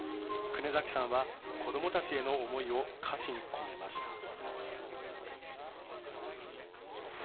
久根崎さんは子どもたちへの思いを歌詞に込めました。